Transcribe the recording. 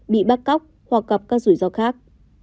bị bắt cóc hoặc gặp các rủi ro khác